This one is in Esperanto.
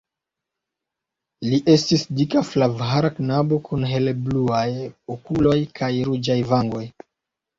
Li estis dika flavhara knabo kun helebluaj okuloj kaj ruĝaj vangoj.